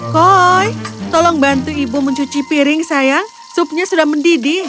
koi tolong bantu ibu mencuci piring sayang supnya sudah mendidih